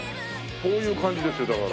こういう感じですよだから。